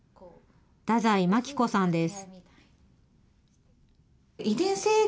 太宰牧子さんです。